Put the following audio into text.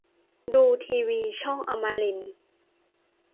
ดูทีวีช่องอมรินทร์